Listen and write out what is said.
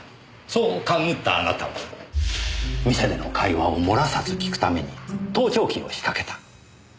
そう勘ぐったあなたは店での会話をもらさず聞くために盗聴器を仕掛けた。